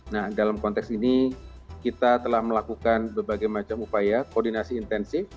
nah dalam konteks ini kita telah melakukan berbagai macam upaya koordinasi intensif